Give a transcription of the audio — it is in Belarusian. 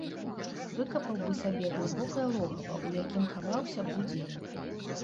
Выкапаў бы сабе глыбокае логава, у якім хаваўся б удзень.